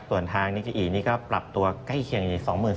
ส่วนทางนิเจอีนี่ก็ปรับตัวใกล้เคียงอยู่๒๔๐